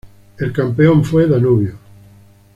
El campeón fue Danubio.